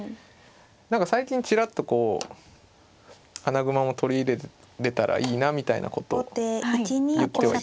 何か最近ちらっとこう穴熊も取り入れれたらいいなみたいなことを言ってはいた。